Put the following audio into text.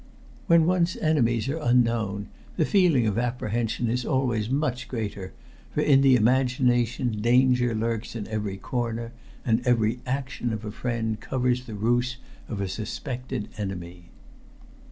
When one's enemies are unknown, the feeling of apprehension is always much greater, for in the imagination danger lurks in every corner, and every action of a friend covers the ruse of a suspected enemy.